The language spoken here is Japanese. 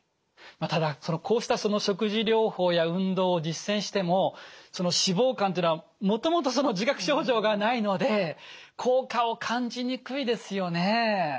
ただこうした食事療法や運動を実践してもその脂肪肝っていうのはもともとその自覚症状がないので効果を感じにくいですよね。